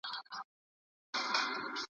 مواد دي سم منظم کړي دي.